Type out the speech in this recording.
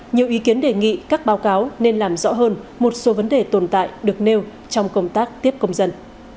nhiều ý kiến đề nghị các báo cáo nên làm rõ hơn một số vấn đề tồn tại được nêu trong công tác tiếp công dân